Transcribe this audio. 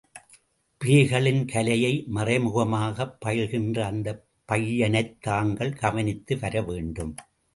பேய்களின் கலையை மறைமுகமாகப் பயில்கின்ற அந்தப் பையனைத் தாங்கள் கவனித்து வரவேண்டும்.